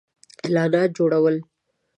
-اعلانات جوړو ل